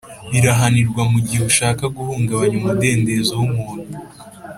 Birahanirwa mu gihe ushaka guhungabanya umudendezo w’umuntu